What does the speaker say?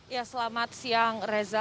ya selamat siang reza